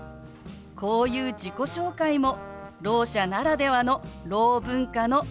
こういう自己紹介もろう者ならではのろう文化の一つなんです。